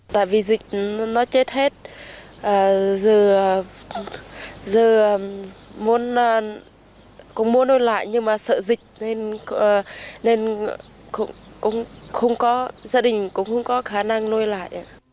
tại vì dịch nó chết hết dù muốn nuôi lại nhưng mà sợ dịch nên gia đình cũng không có khả năng nuôi lại